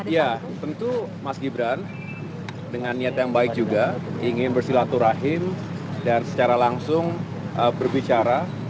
ya tentu mas gibran dengan niat yang baik juga ingin bersilaturahim dan secara langsung berbicara